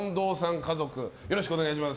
家族よろしくお願いします。